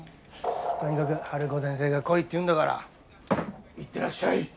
とにかくハルコ先生が来いって言うんだからいってらっしゃい！